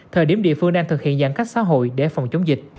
thời điểm địa phương đang thực hiện giãn cách xã hội để phòng chống dịch